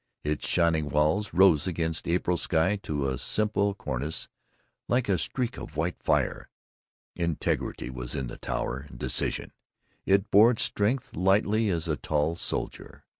Its shining walls rose against April sky to a simple cornice like a streak of white fire. Integrity was in the tower, and decision. It bore its strength lightly as a tall soldier.